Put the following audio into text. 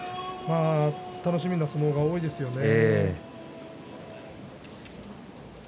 楽しみな相撲が多いですよね。